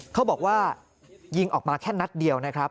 เขาบอกว่ายิงออกมาแค่นัดเดียวนะครับ